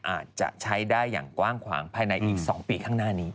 อาจจะใช้ได้อย่างกว้างขวางภายในอีก๒ปีข้างหน้านี้